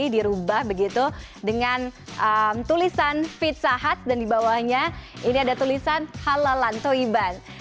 dirubah begitu dengan tulisan pizza hut dan di bawahnya ini ada tulisan halalan toiban